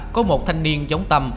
có một thanh niên giống tâm